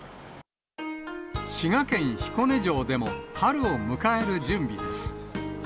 滋賀県彦根城でも、春を迎える準備です。